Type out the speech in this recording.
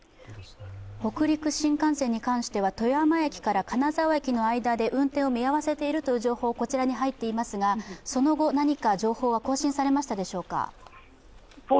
北陸新幹線に関しては富山−金沢駅の間で運転を見合わせているという情報がこちらに入っていますが、その後、何か情報は更新されましたでしょうか？